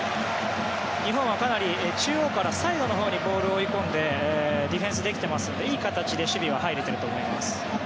日本はかなり中央からサイドのほうにボールを追い込んでディフェンスできていますのでいい形で守備は入れていると思います。